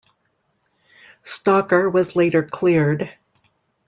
Stalker was later cleared.